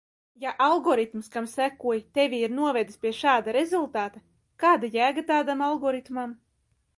Ja algoritms, kam sekoji, tevi ir novedis pie šāda rezultāta, kāda jēga tādam algoritmam?